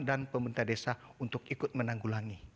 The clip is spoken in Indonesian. dan pemerintah desa untuk ikut menanggulangi